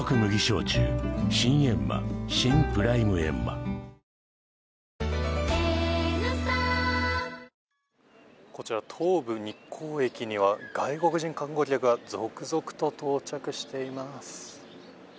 「サントリー生ビール」はじまるこちら東武日光駅には外国人観光客が続々と到着しています。